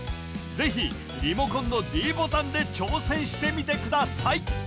ぜひリモコンのｄボタンで挑戦してみてください